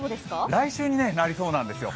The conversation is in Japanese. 来週になりそうなんですよ。